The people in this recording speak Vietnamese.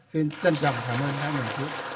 xin trân trọng cảm ơn